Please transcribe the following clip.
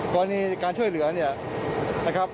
กรณีการช่วยเหลือเนี่ยนะครับ